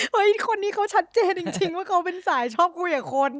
คนนี้เขาชัดเจนจริงว่าเขาเป็นสายชอบคุยกับคน